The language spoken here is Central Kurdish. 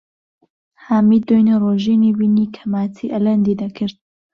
حامید دوێنێ ڕۆژینی بینی کە ماچی ئەلەندی دەکرد.